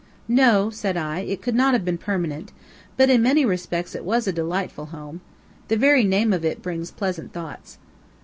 "No," said I, "it could not have been permanent. But, in many respects, it was a delightful home. The very name of it brings pleasant thoughts."